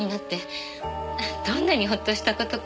どんなにほっとした事か。